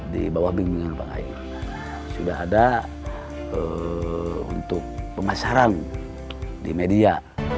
bimbingan bimbingan panggainya sudah ada untuk pemasaran di media